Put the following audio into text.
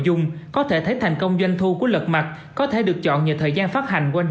dung có thể thấy thành công doanh thu của lật mặt có thể được chọn nhờ thời gian phát hành quanh